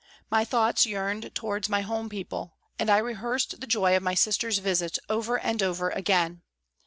My thoughts yearned towards my home people, and I rehearsed the joy of my sister's visit over and over again.